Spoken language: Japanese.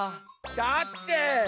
だって。